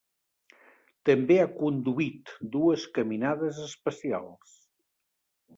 També ha conduït dues caminades espacials.